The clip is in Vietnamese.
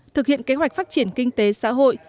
thực hiện kế hoạch phát triển kinh tế xã hội